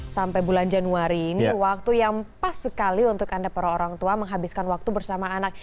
sampai bulan januari ini waktu yang pas sekali untuk anda para orang tua menghabiskan waktu bersama anak